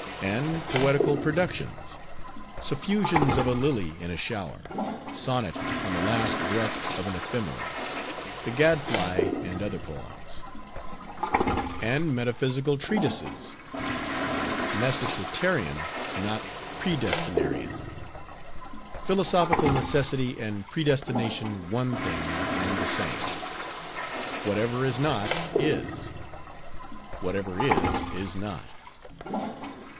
And poetical productions:— "Suffusions of a Lily in a Shower." "Sonnet on the last Breath of an Ephemera." "The Gad fly, and Other Poems." And metaphysical treatises:— "Necessitarian not Predestinarian." "Philosophical Necessity and Predestination One Thing and The Same." "Whatever is not, is." "Whatever is, is not."